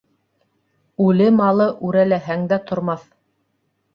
Үле малы үрәләһәң дә тормаҫ.